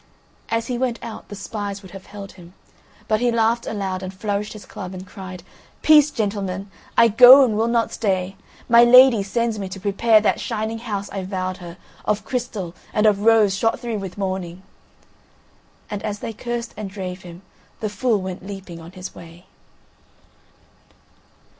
As he went out the spies would have held him; but he laughed aloud, and flourished his club, and cried: "Peace, gentlemen, I go and will not stay. My lady sends me to prepare that shining house I vowed her, of crystal, and of rose shot through with morning." And as they cursed and drave him, the fool went leaping on his way.